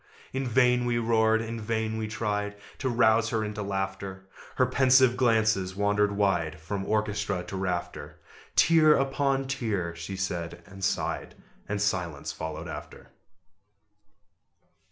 In vain we roared; in vain we tried To rouse her into laughter: Her pensive glances wandered wide From orchestra to rafter "Tier upon tier!" she said, and sighed; And silence followed after.